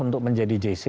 untuk menjadi jc